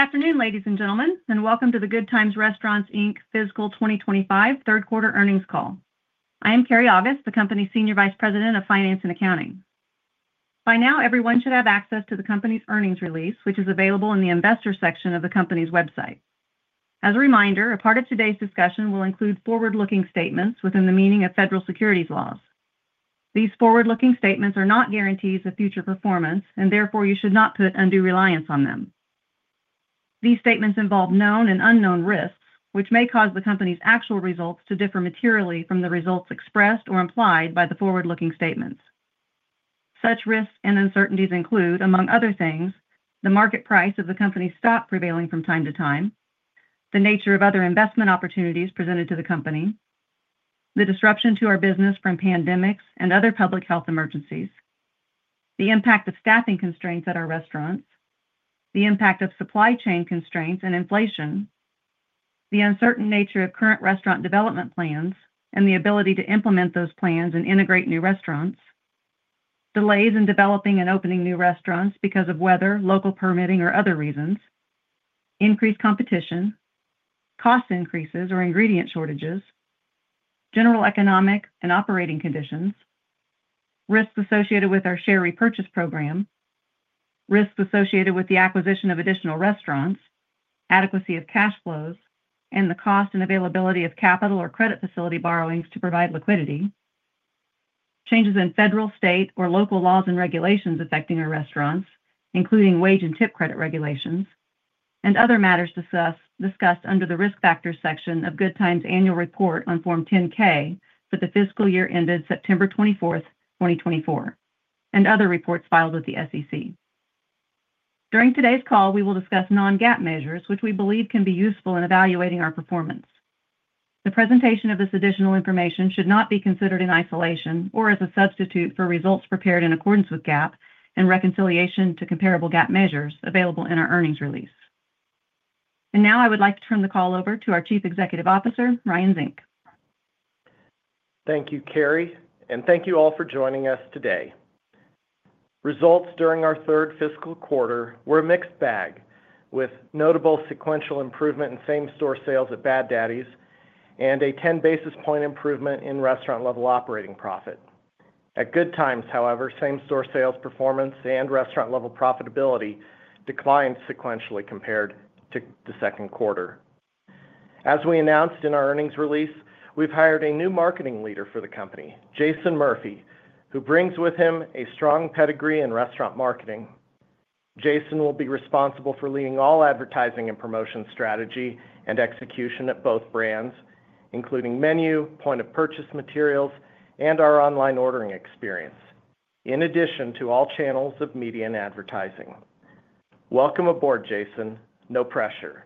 Good afternoon, ladies and gentlemen, and welcome to the Good Times Restaurants Inc. Fiscal 2025 Third Quarter Earnings Call. I am Keri August, the company's Senior Vice President of Finance and Accounting. By now, everyone should have access to the company's earnings release, which is available in the Investor section of the company's website. As a reminder, a part of today's discussion will include forward-looking statements within the meaning of federal securities laws. These forward-looking statements are not guarantees of future performance, and therefore you should not put undue reliance on them. These statements involve known and unknown risks, which may cause the company's actual results to differ materially from the results expressed or implied by the forward-looking statements. Such risks and uncertainties include, among other things, the market price of the company's stock prevailing from time to time, the nature of other investment opportunities presented to the company, the disruption to our business from pandemics and other public health emergencies, the impact of staffing constraints at our restaurants, the impact of supply chain constraints and inflation, the uncertain nature of current restaurant development plans and the ability to implement those plans and integrate new restaurants, delays in developing and opening new restaurants because of weather, local permitting, or other reasons, increased competition, cost increases or ingredient shortages, general economic and operating conditions, risks associated with our share repurchase program, risks associated with the acquisition of additional restaurants, adequacy of cash flows, and the cost and availability of capital or credit facility borrowings to provide liquidity, changes in federal, state, or local laws and regulations affecting our restaurants, including wage and tip credit regulations, and other matters discussed under the Risk Factors section of Good Times' annual report on Form 10-K for the fiscal year ended September 24, 2024, and other reports filed with the SEC. During today's call, we will discuss non-GAAP measures, which we believe can be useful in evaluating our performance. The presentation of this additional information should not be considered in isolation or as a substitute for results prepared in accordance with GAAP and reconciliation to comparable GAAP measures available in our earnings release. I would like to turn the call over to our Chief Executive Officer, Ryan Zink. Thank you, Keri, and thank you all for joining us today. Results during our third fiscal quarter were a mixed bag, with notable sequential improvement in same-store sales at Bad Daddy's and a 10 basis point improvement in restaurant-level operating profit. At Good Times, however, same-store sales performance and restaurant-level profitability declined sequentially compared to the second quarter. As we announced in our earnings release, we've hired a new marketing leader for the company, Jason Murphy, who brings with him a strong pedigree in restaurant marketing. Jason will be responsible for leading all advertising and promotion strategy and execution at both brands, including menu, point-of-purchase materials, and our online ordering experience, in addition to all channels of media and advertising. Welcome aboard, Jason. No pressure.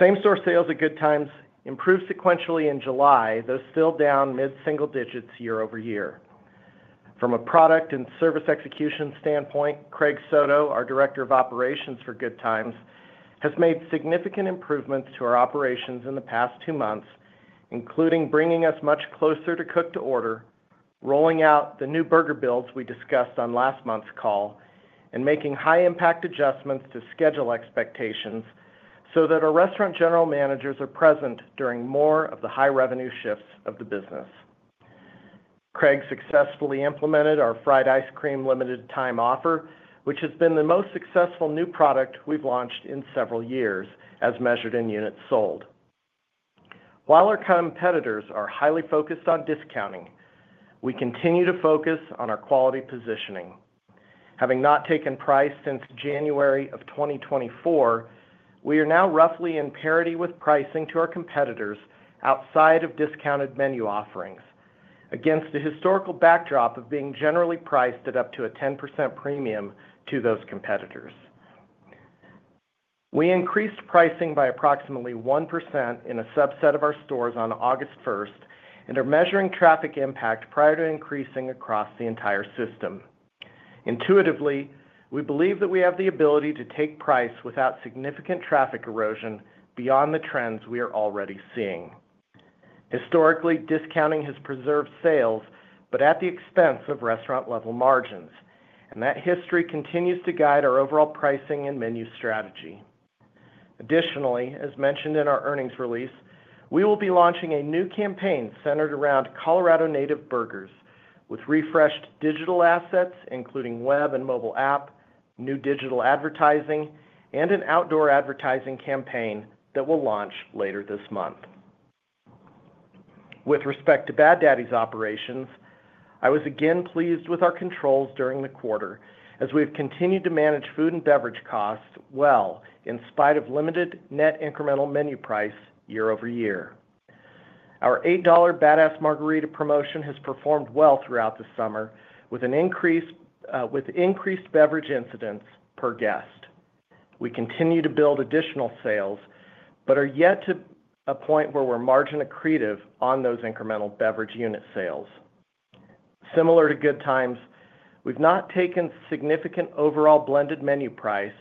Same-store sales at Good Times improved sequentially in July, though still down mid-single digits year-over-year. From a product and service execution standpoint, Craig Soto, our Director of Operations for Good Times, has made significant improvements to our operations in the past two months, including bringing us much closer to cook-to-order, rolling out the new burger builds we discussed on last month's call, and making high-impact adjustments to schedule expectations so that our restaurant general managers are present during more of the high revenue shifts of the business. Craig successfully implemented our fried ice cream limited-time offer, which has been the most successful new product we've launched in several years, as measured in units sold. While our competitors are highly focused on discounting, we continue to focus on our quality positioning. Having not taken price since January of 2024, we are now roughly in parity with pricing to our competitors outside of discounted menu offerings, against a historical backdrop of being generally priced at up to a 10% premium to those competitors. We increased pricing by approximately 1% in a subset of our stores on August 1st and are measuring traffic impact prior to increasing across the entire system. Intuitively, we believe that we have the ability to take price without significant traffic erosion beyond the trends we are already seeing. Historically, discounting has preserved sales, but at the expense of restaurant-level margins, and that history continues to guide our overall pricing and menu strategy. Additionally, as mentioned in our earnings release, we will be launching a new campaign centered around Colorado native burgers with refreshed digital assets, including web and mobile app, new digital advertising, and an outdoor advertising campaign that will launch later this month. With respect to Bad Daddy's operations, I was again pleased with our controls during the quarter, as we have continued to manage food and beverage costs well, in spite of limited net incremental menu price year-over-year. Our $8 Badass Margarita promotion has performed well throughout the summer, with increased beverage incidents per guest. We continue to build additional sales, but are yet to a point where we're margin accretive on those incremental beverage unit sales. Similar to Good Times, we've not taken significant overall blended menu price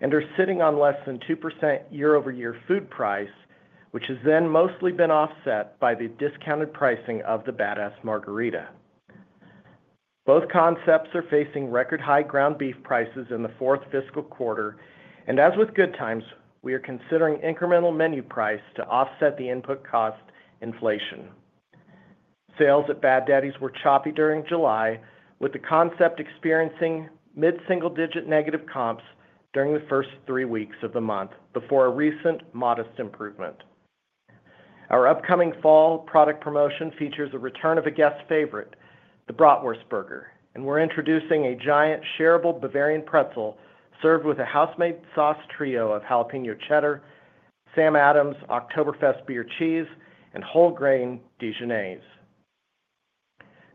and are sitting on less than 2% year-over-year food price, which has then mostly been offset by the discounted pricing of the Badass Margarita. Both concepts are facing record high ground beef prices in the fourth fiscal quarter, and as with Good Times, we are considering incremental menu price to offset the input cost inflation. Sales at Bad Daddy's were choppy during July, with the concept experiencing mid-single-digit negative comps during the first three weeks of the month, before a recent modest improvement. Our upcoming fall product promotion features a return of a guest favorite, the Bratwurst Burger, and we're introducing a giant shareable Bavarian pretzel served with a house-made sauce trio of jalapeño cheddar, Sam Adams Oktoberfest beer cheese, and whole grain Dijonnaise.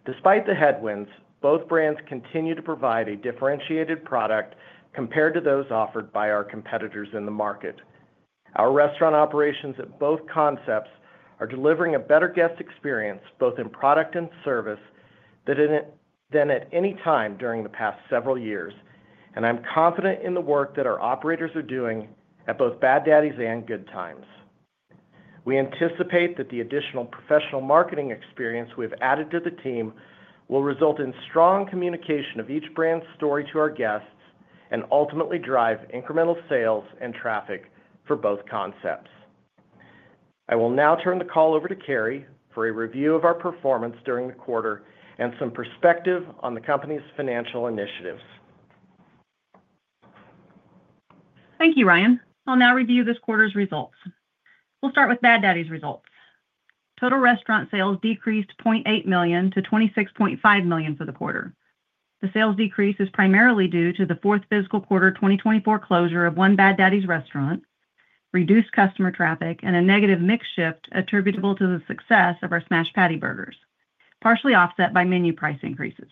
Despite the headwinds, both brands continue to provide a differentiated product compared to those offered by our competitors in the market. Our restaurant operations at both concepts are delivering a better guest experience, both in product and service, than at any time during the past several years, and I'm confident in the work that our operators are doing at both Bad Daddy's and Good Times. We anticipate that the additional professional marketing experience we've added to the team will result in strong communication of each brand's story to our guests and ultimately drive incremental sales and traffic for both concepts. I will now turn the call over to Keri for a review of our performance during the quarter and some perspective on the company's financial initiatives. Thank you, Ryan. I'll now review this quarter's results. We'll start with Bad Daddy's results. Total restaurant sales decreased $0.8 million to $26.5 million for the quarter. The sales decrease is primarily due to the fourth fiscal quarter 2024 closure of one Bad Daddy's restaurant, reduced customer traffic, and a negative mix shift attributable to the success of our Smash Patty burgers, partially offset by menu price increases.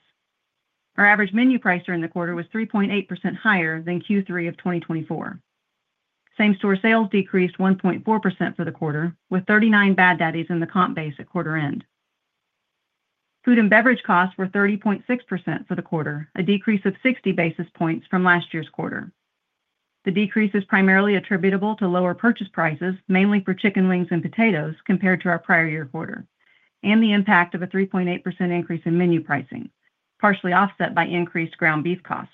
Our average menu price during the quarter was 3.8% higher than Q3 of 2024. Same-store sales decreased 1.4% for the quarter, with 39 Bad Daddy's in the comp base at quarter end. Food and beverage costs were 30.6% for the quarter, a decrease of 60 basis points from last year's quarter. The decrease is primarily attributable to lower purchase prices, mainly for chicken wings and potatoes, compared to our prior year quarter, and the impact of a 3.8% increase in menu pricing, partially offset by increased ground beef costs.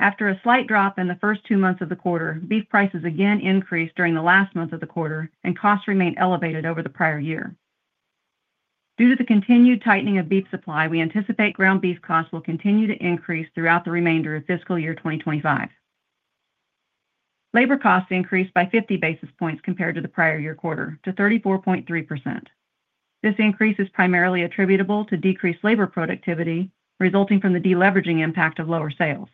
After a slight drop in the first two months of the quarter, beef prices again increased during the last month of the quarter, and costs remained elevated over the prior year. Due to the continued tightening of beef supply, we anticipate ground beef costs will continue to increase throughout the remainder of fiscal year 2025. Labor costs increased by 50 basis points compared to the prior year quarter, to 34.3%. This increase is primarily attributable to decreased labor productivity resulting from the deleveraging impact of lower sales.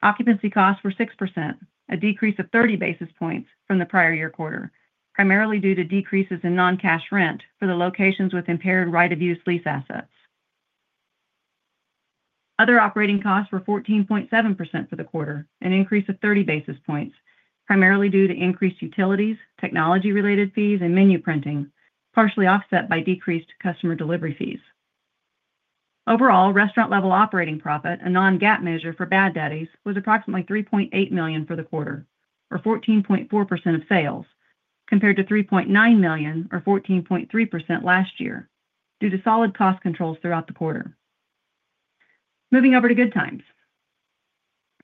Occupancy costs were 6%, a decrease of 30 basis points from the prior year quarter, primarily due to decreases in non-cash rent for the locations with impaired right-of-use lease assets. Other operating costs were 14.7% for the quarter, an increase of 30 basis points, primarily due to increased utilities, technology-related fees, and menu printing, partially offset by decreased customer delivery fees. Overall, restaurant-level operating profit, a non-GAAP measure for Bad Daddy's, was approximately $3.8 million for the quarter, or 14.4% of sales, compared to $3.9 million, or 14.3% last year, due to solid cost controls throughout the quarter. Moving over to Good Times,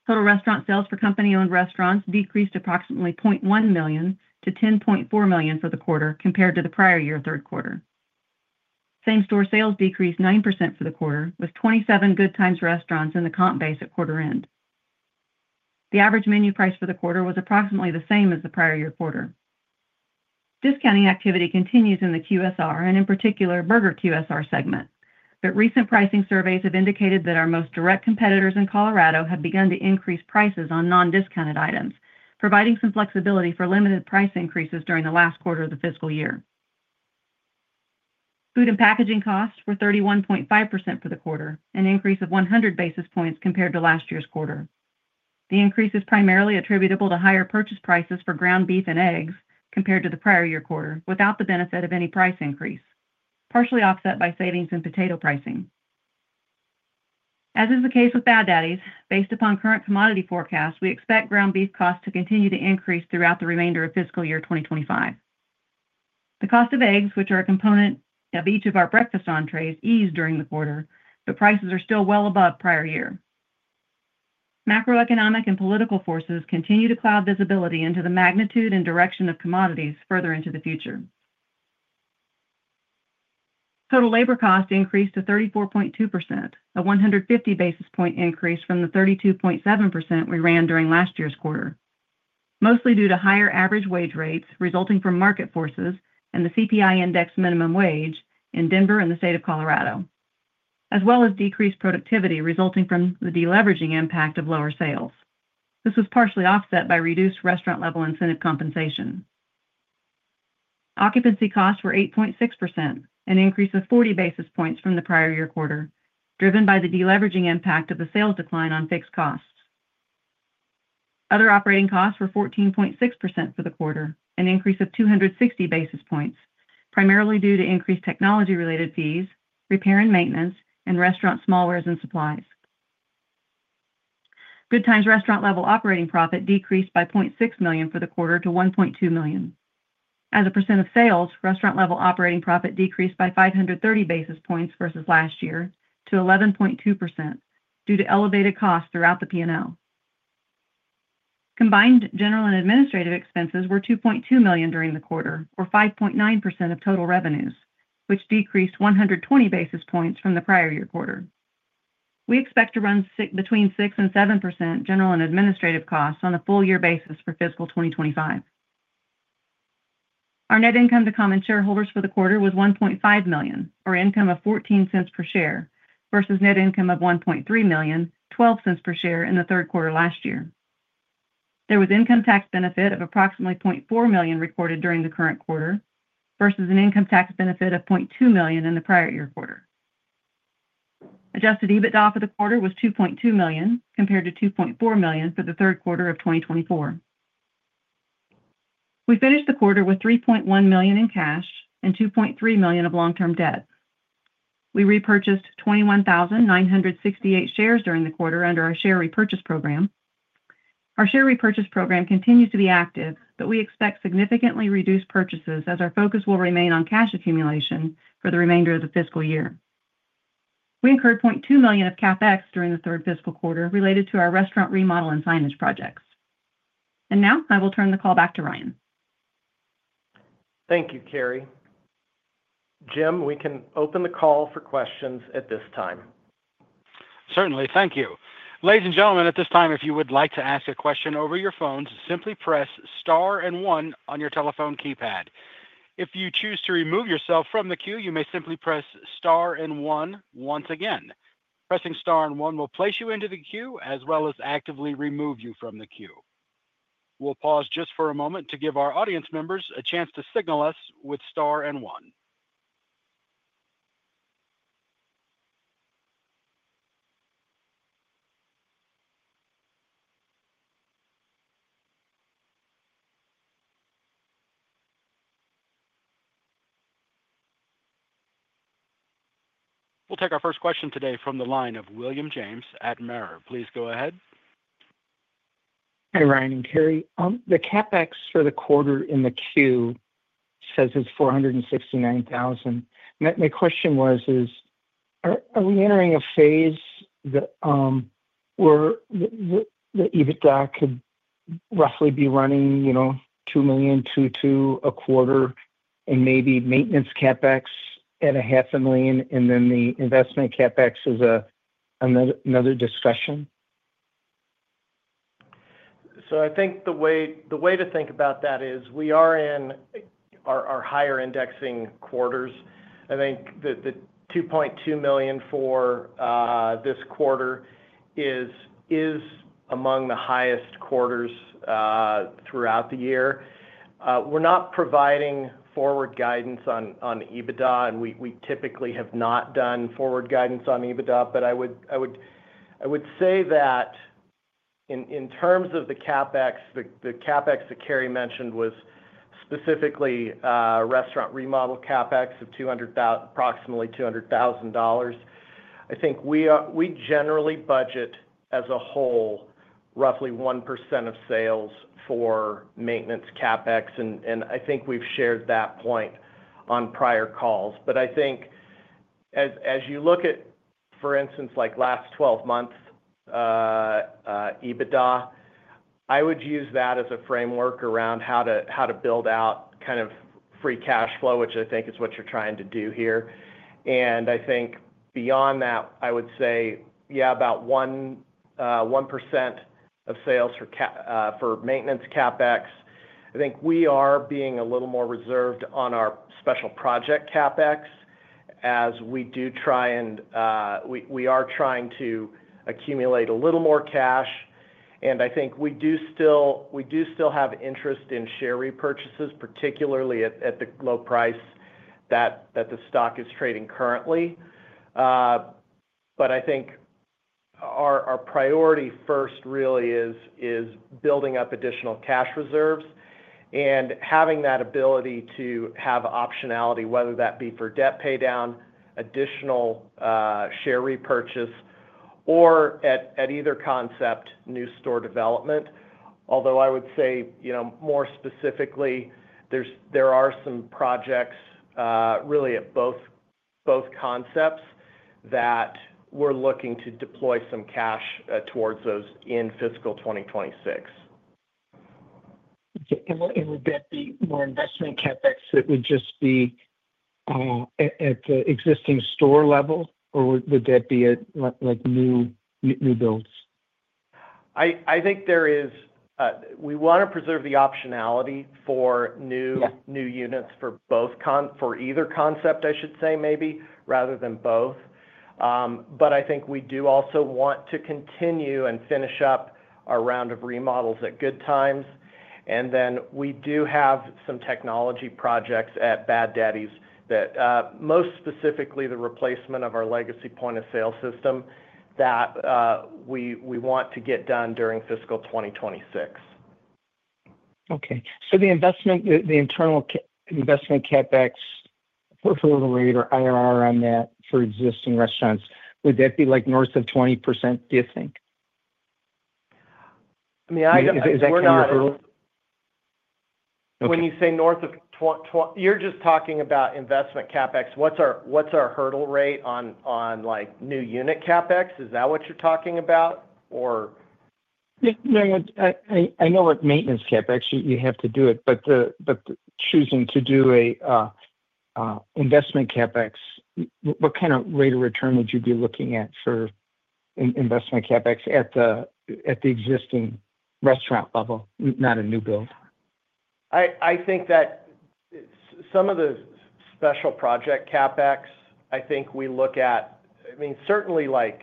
total restaurant sales for company-owned restaurants decreased approximately $0.1 million to $10.4 million for the quarter, compared to the prior year third quarter. Same-store sales decreased 9% for the quarter, with 27 Good Times restaurants in the comp base at quarter end. The average menu price for the quarter was approximately the same as the prior year quarter. Discounting activity continues in the QSR, and in particular, Burger QSR segment, but recent pricing surveys have indicated that our most direct competitors in Colorado have begun to increase prices on non-discounted items, providing some flexibility for limited price increases during the last quarter of the fiscal year. Food and packaging costs were 31.5% for the quarter, an increase of 100 basis points compared to last year's quarter. The increase is primarily attributable to higher purchase prices for ground beef and eggs compared to the prior year quarter, without the benefit of any price increase, partially offset by savings in potato pricing. As is the case with Bad Daddy's, based upon current commodity forecasts, we expect ground beef costs to continue to increase throughout the remainder of fiscal year 2025. The cost of eggs, which are a component of each of our breakfast entrees, eased during the quarter, but prices are still well above prior year. Macroeconomic and political forces continue to cloud visibility into the magnitude and direction of commodities further into the future. Total labor costs increased to 34.2%, a 150 basis point increase from the 32.7% we ran during last year's quarter, mostly due to higher average wage rates resulting from market forces and the CPI index minimum wage in Denver and the state of Colorado, as well as decreased productivity resulting from the deleveraging impact of lower sales. This was partially offset by reduced restaurant-level incentive compensation. Occupancy costs were 8.6%, an increase of 40 basis points from the prior year quarter, driven by the deleveraging impact of the sales decline on fixed costs. Other operating costs were 14.6% for the quarter, an increase of 260 basis points, primarily due to increased technology-related fees, repair and maintenance, and restaurant smallware and supplies. Good Times restaurant-level operating profit decreased by $0.6 million for the quarter to $1.2 million. As a percent of sales, restaurant-level operating profit decreased by 530 basis points versus last year to 11.2% due to elevated costs throughout the P&L. Combined general and administrative expenses were $2.2 million during the quarter, or 5.9% of total revenues, which decreased 120 basis points from the prior year quarter. We expect to run between 6% and 7% general and administrative costs on a full-year basis for fiscal 2025. Our net income to common shareholders for the quarter was $1.5 million, or an income of $0.14 per share, versus net income of $1.3 million, $0.12 per share in the third quarter last year. There was income tax benefit of approximately $0.4 million reported during the current quarter, versus an income tax benefit of $0.2 million in the prior year quarter. Adjusted EBITDA for the quarter was $2.2 million compared to $2.4 million for the third quarter of 2024. We finished the quarter with $3.1 million in cash and $2.3 million of long-term debt. We repurchased 21,968 shares during the quarter under our share repurchase program. Our share repurchase program continued to be active, but we expect significantly reduced purchases as our focus will remain on cash accumulation for the remainder of the fiscal year. We incurred $0.2 million of CAPEX during the third fiscal quarter related to our restaurant remodel and signage projects. I will now turn the call back to Ryan. Thank you, Keri. Jim, we can open the call for questions at this time. Certainly, thank you. Ladies and gentlemen, at this time, if you would like to ask a question over your phones, simply press star and one on your telephone keypad. If you choose to remove yourself from the queue, you may simply press star and one once again. Pressing star and one will place you into the queue as well as actively remove you from the queue. We'll pause just for a moment to give our audience members a chance to signal us with star and one. We'll take our first question today from the line of William James at Merit. Please go ahead. Hey, Ryan and Keri. The CAPEX for the quarter in the Q says it's $469,000. My question was, are we entering a phase where the EBITDA could roughly be running, you know, $2 million, $2.2 million a quarter and maybe maintenance CAPEX at half a million and then the investment CAPEX is another discussion? I think the way to think about that is we are in our higher indexing quarters. I think that the $2.2 million for this quarter is among the highest quarters throughout the year. We're not providing forward guidance on EBITDA, and we typically have not done forward guidance on EBITDA, but I would say that in terms of the CAPEX, the CAPEX that Keri mentioned was specifically restaurant remodel CAPEX of approximately $200,000. I think we generally budget as a whole roughly 1% of sales for maintenance CAPEX, and I think we've shared that point on prior calls. As you look at, for instance, like last 12 months' EBITDA, I would use that as a framework around how to build out kind of free cash flow, which I think is what you're trying to do here. Beyond that, I would say, yeah, about 1% of sales for maintenance CAPEX. I think we are being a little more reserved on our special project CAPEX as we do try and we are trying to accumulate a little more cash. I think we do still have interest in share repurchases, particularly at the low price that the stock is trading currently. I think our priority first really is building up additional cash reserves and having that ability to have optionality, whether that be for debt paydown, additional share repurchase, or at either concept, new store development. Although I would say, you know, more specifically, there are some projects really at both concepts that we're looking to deploy some cash towards those in fiscal 2026. Would that be more investment capital expenditures that would just be at the existing store level, or would that be at new builds? I think we want to preserve the optionality for new units for either concept, I should say, maybe, rather than both. I think we do also want to continue and finish up our round of remodels at Good Times. We do have some technology projects at Bad Daddy's, most specifically the replacement of our legacy point-of-sale system that we want to get done during fiscal 2026. Okay. The internal investment CAPEX portfolio rate or IRR on that for existing restaurants, would that be like north of 20%, do you think? I think we're not. When you say north of 20, you're just talking about investment CAPEX. What's our hurdle rate on like new unit CAPEX? Is that what you're talking about, or? Yeah, no. I know at maintenance CAPEX you have to do it, but choosing to do an investment CAPEX, what kind of rate of return would you be looking at for investment CAPEX at the existing restaurant level, not a new build? I think that some of the special project CAPEX, I think we look at, I mean, certainly like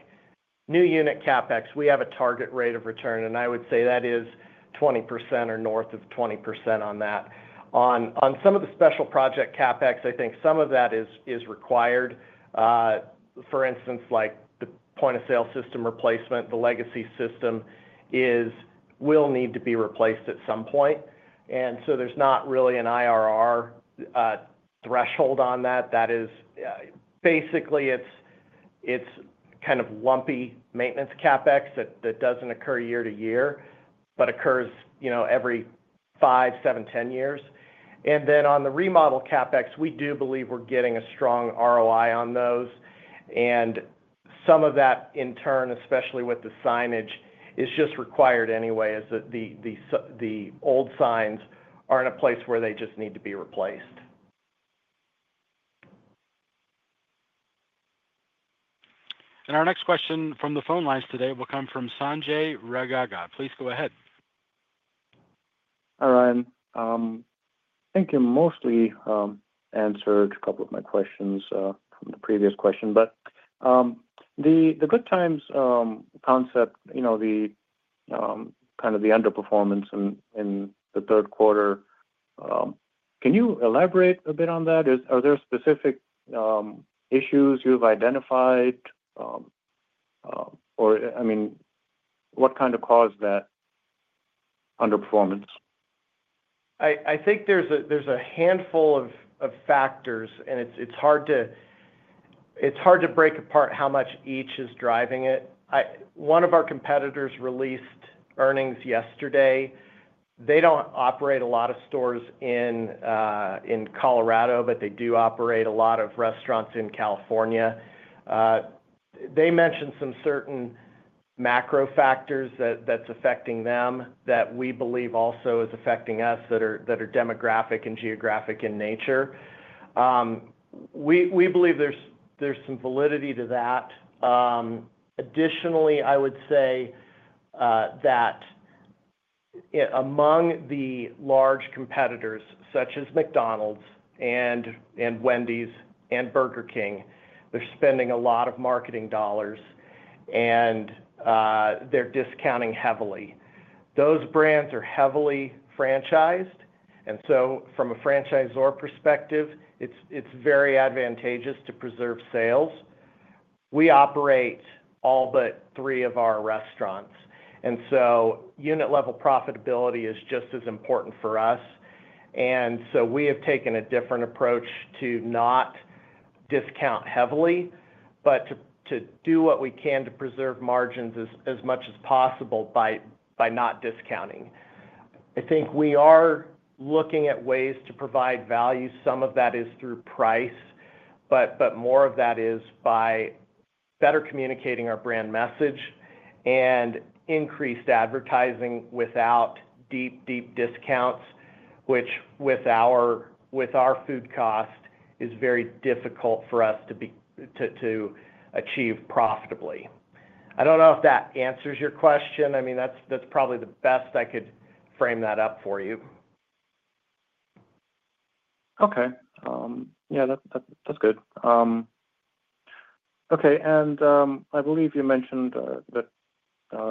new unit CAPEX, we have a target rate of return, and I would say that is 20% or north of 20% on that. On some of the special project CAPEX, I think some of that is required. For instance, like the point-of-sale system replacement, the legacy point-of-sale system will need to be replaced at some point. There's not really an IRR threshold on that. That is basically, it's kind of lumpy maintenance CAPEX that doesn't occur year-to-year but occurs every 5 years, 7 years, 10 years. On the remodel CAPEX, we do believe we're getting a strong ROI on those. Some of that, in turn, especially with the signage, is just required anyway, as the old signs are in a place where they just need to be replaced. Our next question from the phone lines today will come from Sanjay Ragaga. Please go ahead. Hi, Ryan. I think you mostly answered a couple of my questions from the previous question, but the Good Times concept, you know, the kind of the underperformance in the third quarter, can you elaborate a bit on that? Are there specific issues you've identified, or what kind of caused that underperformance? I think there's a handful of factors, and it's hard to break apart how much each is driving it. One of our competitors released earnings yesterday. They don't operate a lot of stores in Colorado, but they do operate a lot of restaurants in California. They mentioned some certain macro factors that are affecting them that we believe also are affecting us that are demographic and geographic in nature. We believe there's some validity to that. Additionally, I would say that among the large competitors, such as McDonald's and Wendy's and Burger King, they're spending a lot of marketing dollars, and they're discounting heavily. Those brands are heavily franchised. From a franchisor perspective, it's very advantageous to preserve sales. We operate all but three of our restaurants, and unit-level profitability is just as important for us. We have taken a different approach to not discount heavily, but to do what we can to preserve margins as much as possible by not discounting. I think we are looking at ways to provide value. Some of that is through price, but more of that is by better communicating our brand message and increased advertising without deep, deep discounts, which with our food cost is very difficult for us to achieve profitably. I don't know if that answers your question. I mean, that's probably the best I could frame that up for you. Okay, that's good. I believe you mentioned that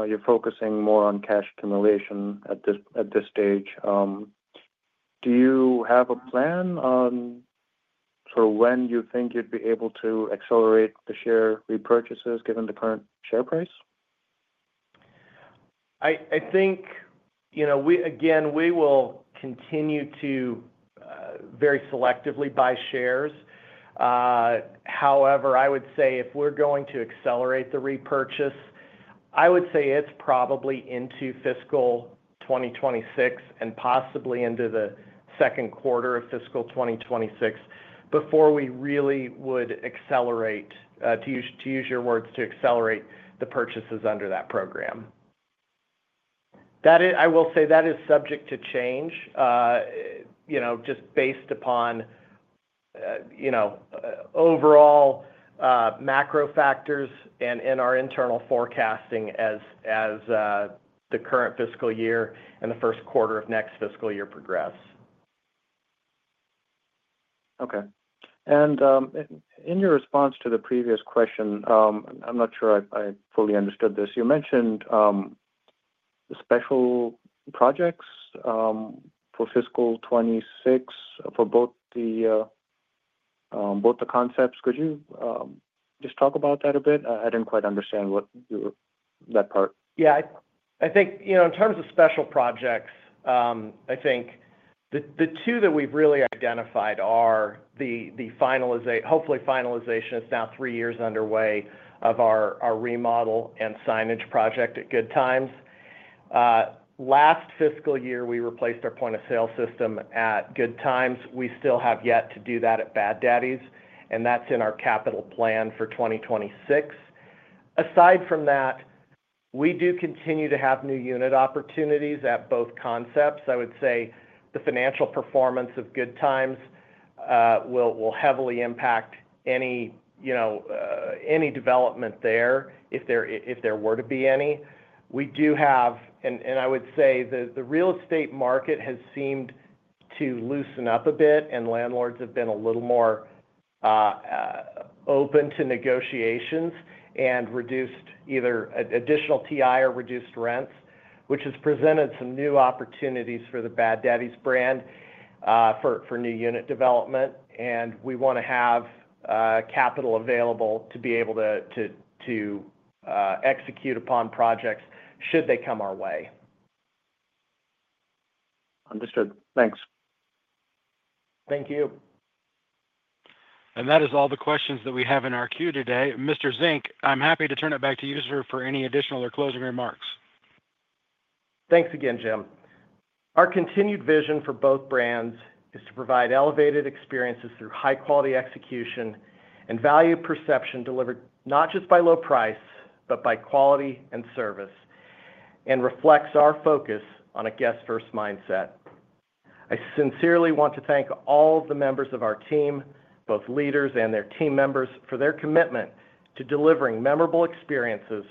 you're focusing more on cash accumulation at this stage. Do you have a plan on sort of when you think you'd be able to accelerate the share repurchases given the current share price? I think, you know, again, we will continue to very selectively buy shares. However, I would say if we're going to accelerate the repurchase, I would say it's probably into fiscal 2026 and possibly into the second quarter of fiscal 2026 before we really would accelerate, to use your words, to accelerate the purchases under that program. That is subject to change, you know, just based upon, you know, overall macro factors and our internal forecasting as the current fiscal year and the first quarter of next fiscal year progress. Okay. In your response to the previous question, I'm not sure I fully understood this. You mentioned special projects for fiscal 2026 for both the concepts. Could you just talk about that a bit? I didn't quite understand that part. Yeah. I think, in terms of special projects, the two that we've really identified are the hopefully finalization—it's now three years underway—of our remodel and signage project at Good Times. Last fiscal year, we replaced our point-of-sale system at Good Times. We still have yet to do that at Bad Daddy's, and that's in our capital plan for 2026. Aside from that, we do continue to have new unit opportunities at both concepts. I would say the financial performance of Good Times will heavily impact any development there if there were to be any. The real estate market has seemed to loosen up a bit, and landlords have been a little more open to negotiations and reduced either additional TI or reduced rents, which has presented some new opportunities for the Bad Daddy's brand for new unit development. We want to have capital available to be able to execute upon projects should they come our way. Understood. Thanks. Thank you. That is all the questions that we have in our queue today. Mr. Zink, I'm happy to turn it back to you for any additional or closing remarks. Thanks again, Jim. Our continued vision for both brands is to provide elevated experiences through high-quality execution and value perception delivered not just by low price, but by quality and service, and reflects our focus on a guest-first mindset. I sincerely want to thank all of the members of our team, both leaders and their team members, for their commitment to delivering memorable experiences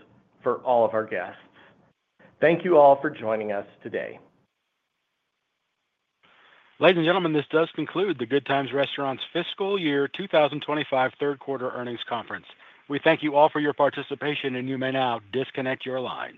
for all of our guests. Thank you all for joining us today. Ladies and gentlemen, this does conclude the Good Times Restaurants Fiscal Year 2025 Third Quarter Earnings Conference. We thank you all for your participation, and you may now disconnect your lines.